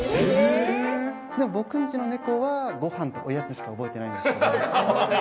僕んちの猫はご飯とおやつしか覚えてないんです。